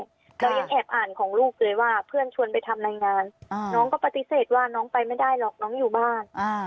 เรายังแอบอ่านของลูกเลยว่าเพื่อนชวนไปทำรายงานน้องก็ปฏิเสธว่าน้องไปไม่ได้หรอกน้องอยู่บ้าน